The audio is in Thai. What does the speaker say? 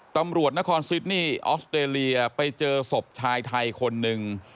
ตำรวจนครซิดนี่ออสเตรเลียไปเจอศพชายไทยคนหนึ่ง